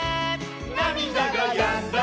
「なみだがやんだら」